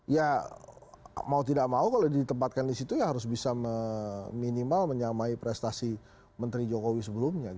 ya mau tidak mau kalau ditempatkan di situ ya harus bisa minimal menyamai prestasi menteri jokowi sebelumnya